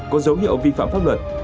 có dấu hiệu vi phạm pháp luật